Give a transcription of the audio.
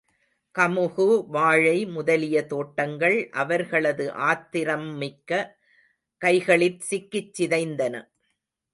கமுகு, வாழை முதலிய தோட்டங்கள் அவர்களது ஆத்திரம்மிக்க கைகளிற் சிக்கிச் சிதைந்தன.